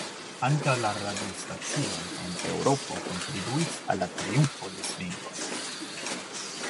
Ankaŭ la radiostacioj en Eŭropo kontribuis al la triumfo de svingo.